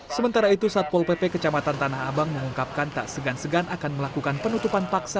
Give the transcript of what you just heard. sementara itu satpol pp kecamatan tanah abang mengungkapkan tak segan segan akan melakukan penutupan paksa